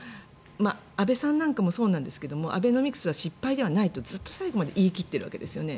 安倍さんなんかもそうなんですがアベノミクスは失敗ではないと最後まで言い切ってるわけですよね。